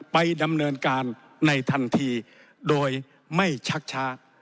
ไปดำเนินการในทันทีโดยไม่ชักช้า